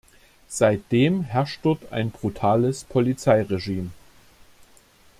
Seitdem herrscht dort ein brutales Polizeiregime.